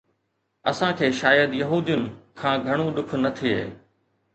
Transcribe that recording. اسان کي شايد يهودين کان گهڻو ڏک نه ٿئي